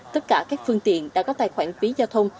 tất cả các phương tiện đã có tài khoản phí giao thông